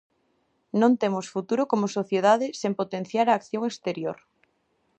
Non temos futuro como sociedade sen potenciar a acción exterior.